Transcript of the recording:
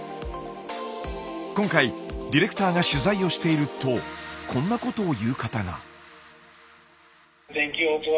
今回ディレクターが取材をしているとこんなことを言う方が。